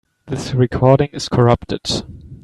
This recording is corrupted.